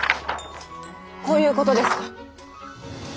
こういうことですか？